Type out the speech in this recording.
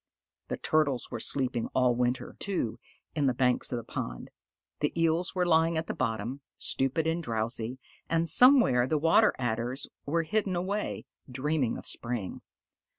The Turtles were sleeping all winter, too, in the banks of the pond. The Eels were lying at the bottom, stupid and drowsy, and somewhere the Water Adders were hidden away, dreaming of spring.